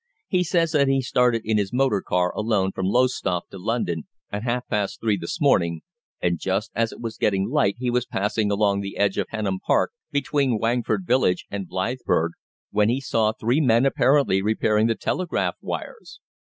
He says that he started in his motor car alone from Lowestoft to London at half past three this morning, and just as it was getting light he was passing along the edge of Henham Park, between Wangford village and Blythburgh, when he saw three men apparently repairing the telegraph wires.